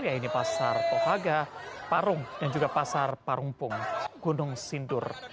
yaitu pasar tohaga parung dan juga pasar parungpung gunung sindur